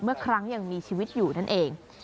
เมื่อครั้งยังมีชีวิตอยู่นั่นเอง